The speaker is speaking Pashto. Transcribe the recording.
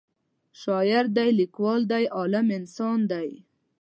شاعر دی لیکوال دی عالم انسان دی